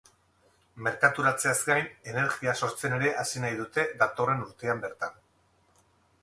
Merkaturatzeaz gain, energia sortzen ere hasi nahi dute, datorren urtean bertan.